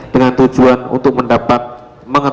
dengan tujuan untuk mendapatkan